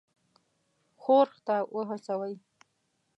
ښورښ ته وهڅوي.